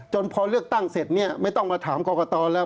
พอเลือกตั้งเสร็จเนี่ยไม่ต้องมาถามกรกตแล้ว